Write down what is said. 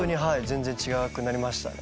全然違うくなりましたね。